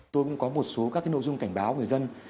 tôi cũng có một số các nội dung cảnh báo người dân